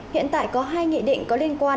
hiện tại có hai nghị định có liên quan